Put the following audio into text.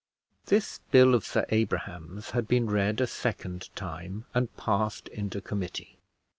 This bill of Sir Abraham's had been read a second time and passed into committee.